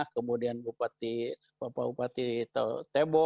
kemudian bupati bapak bupati tebo